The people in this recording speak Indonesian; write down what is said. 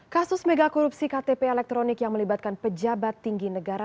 kasus megakorupsi ktp elektronik yang melibatkan pejabat tinggi negara